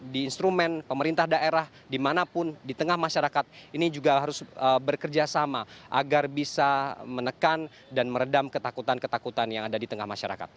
di instrumen pemerintah daerah dimanapun di tengah masyarakat ini juga harus bekerja sama agar bisa menekan dan meredam ketakutan ketakutan yang ada di tengah masyarakat